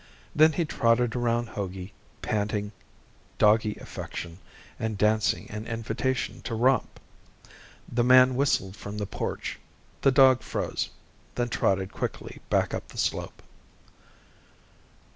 Then he trotted around Hogey, panting doggy affection and dancing an invitation to romp. The man whistled from the porch. The dog froze, then trotted quickly back up the slope.